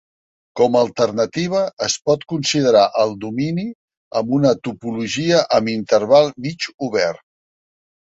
Com a alternativa, es pot considerar el domini amb una topologia amb interval mig obert.